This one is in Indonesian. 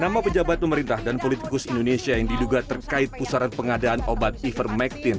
nama pejabat pemerintah dan politikus indonesia yang diduga terkait pusaran pengadaan obat ivermectin